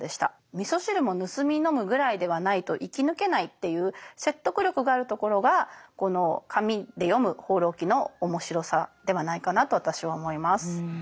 みそ汁も盗み飲むぐらいではないと生き抜けないっていう説得力があるところがこの紙で読む「放浪記」の面白さではないかなと私は思います。